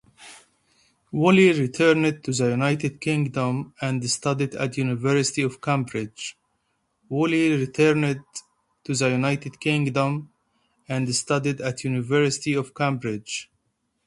Woolley returned to the United Kingdom and studied at University of Cambridge.